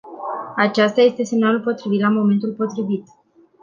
Acesta este semnalul potrivit la momentul potrivit.